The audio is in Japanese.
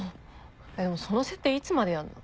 でもその設定いつまでやんの？